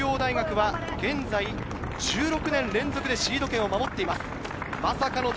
現在１６年連続でシード権を守っています。